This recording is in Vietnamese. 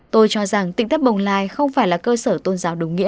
tôi cho rằng tỉnh táp bồng lai không phải là cơ sở tôn giáo đúng nghĩa